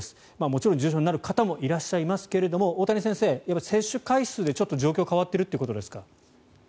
もちろん重症になる方もいらっしゃいますけども大谷先生、接種回数で状況が変わっているということですか。